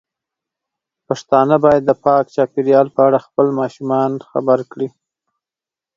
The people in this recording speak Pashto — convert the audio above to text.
پښتانه بايد د پاک چاپیریال په اړه خپل ماشومان خبر کړي.